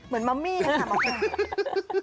เหมือนมัมมี่นะคะหมอไก่